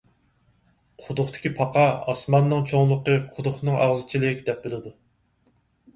قۇدۇقتىكى پاقا، ئاسماننىڭ چوڭلۇقى قۇدۇقنىڭ ئاغزىچىلىك دەپ بىلىدۇ.